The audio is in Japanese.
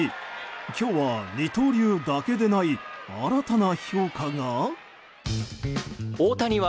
今日は二刀流だけでない新たな評価が。